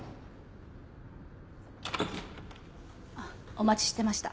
お待ちしてました。